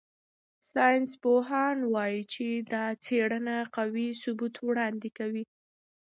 ساینسپوهان وايي چې دا څېړنه قوي ثبوت وړاندې کوي.